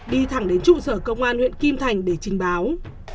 đi thẳng đến trụ sở công an huyện kim thành để trình báo